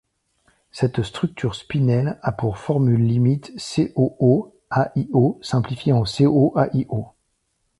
Cette structure spinelle a pour formule limite CoO, AlO, simplifiée en CoAlO.